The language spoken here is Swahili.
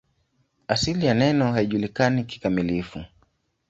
Asili ya neno haijulikani kikamilifu.